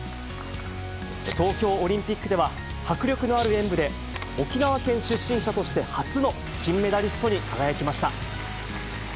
東京オリンピックでは、迫力のある演武で、沖縄県出身者として初の金メダリストに輝きました。